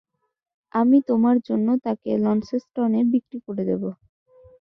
আমি তোমার জন্য তাকে লন্সেস্টনে বিক্রি করে দিব।